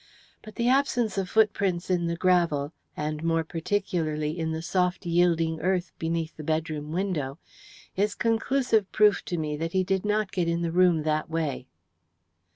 But the absence of footprints in the gravel, and more particularly, in the soft yielding earth beneath the bedroom window, is conclusive proof to me that he did not get into the room that way.